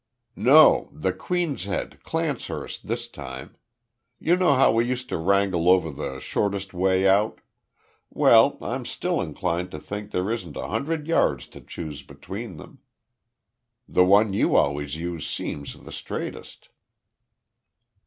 "No. The Queen's Head, Clancehurst, this time. You know how we used to wrangle over the shortest way out. Well, I'm still inclined to think there isn't a hundred yards to choose between them. The one you always use seems the straightest."